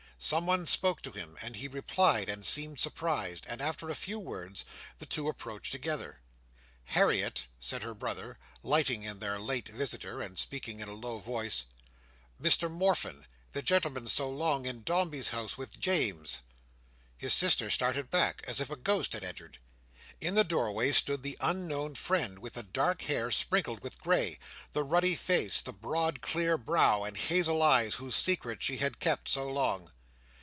Someone spoke to him, and he replied and seemed surprised; and after a few words, the two approached together. "Harriet," said her brother, lighting in their late visitor, and speaking in a low voice, "Mr Morfin—the gentleman so long in Dombey's House with James." His sister started back, as if a ghost had entered. In the doorway stood the unknown friend, with the dark hair sprinkled with grey, the ruddy face, the broad clear brow, and hazel eyes, whose secret she had kept so long!